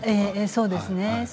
そうですね。